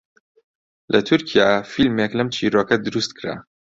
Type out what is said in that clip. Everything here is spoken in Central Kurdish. لە تورکیا فیلمێک لەم چیرۆکە دروست کرا